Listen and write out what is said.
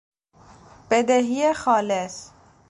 بدهی خالص